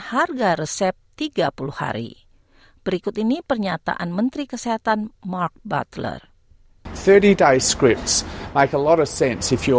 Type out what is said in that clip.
enam puluh hari bagi pemberian perubahan